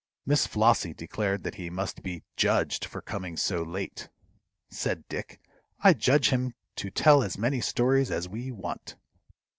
Miss Flossie declared that he must be "judged" for coming so late. Said Dick, "I judge him to tell as many stories as we want."